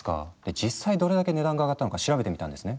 実際どれだけ値段が上がったのか調べてみたんですね。